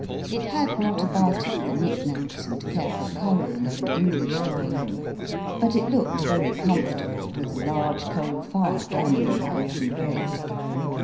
It had not about it the knicknacks and careful colouring of an English drawing room, but it looked very comfortable with a large coal fire burning in an open grate.